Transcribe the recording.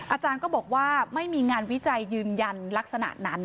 อาจารย์ก็บอกว่าไม่มีงานวิจัยยืนยันลักษณะนั้น